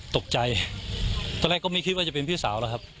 ตกใจตอนแรกก็ไม่คิดว่าจะเป็นพี่สาวแล้วครับ